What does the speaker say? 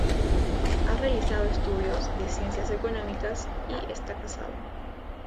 Ha realizado estudios de Ciencias Económicas y está casado.